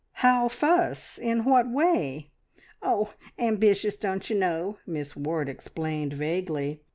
"How fuss? In what way?" "Oh! Ambitious, don't you know," Miss Ward explained vaguely.